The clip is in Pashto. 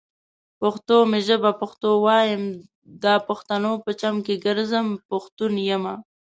پښتو می ژبه پښتو وايم، دا پښتنو په چم کې ګرځم ، پښتون يمه